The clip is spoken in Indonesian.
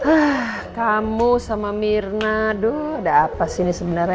ah kamu sama mirna aduh udah apa sih ini sebenarnya